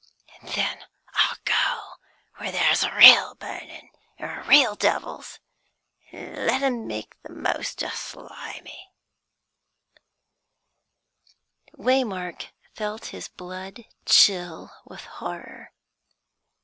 And then I'll go where there's real burnin', an' real devils an' let 'em make the most o' Slimy!" Waymark felt his blood chill with horror.